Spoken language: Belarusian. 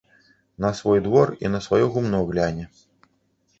На свой двор і на сваё гумно гляне.